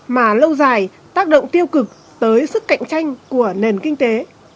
mà lâu dài tác động tiêu cực tới sức cạnh tranh của nền kinh tế